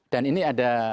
dan ini ada